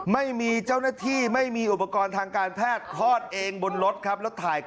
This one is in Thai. ไม่มีเจ้าหน้าที่ไม่มีอุปกรณ์ทางการแพทย์